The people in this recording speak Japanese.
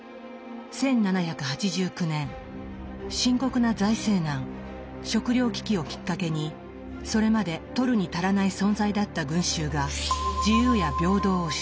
１７８９年深刻な財政難食糧危機をきっかけにそれまで取るに足らない存在だった群衆が自由や平等を主張。